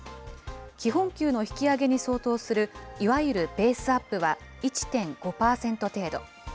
基本給の引き上げに相当する、いわゆるベースアップは１．５％程度。